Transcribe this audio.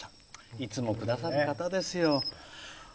いつもくださる方ですよ。